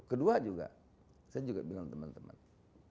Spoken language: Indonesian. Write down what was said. kedua juga saya juga bilang teman teman